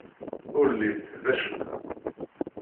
Ur llint d acemma.